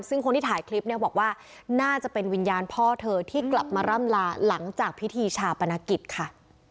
ซึ่งคนที่ถ่ายคลิปเนี่ยบอกว่าน่าจะเป็นวิญญาณพ่อเธอที่กลับมาร่ำลาหลังจากพิธีชาปนกิจค่ะ